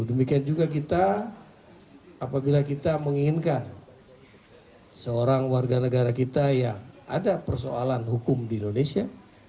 demikian juga kita apabila kita menginginkan seorang warga negara kita yang ada persoalan hukum di indonesia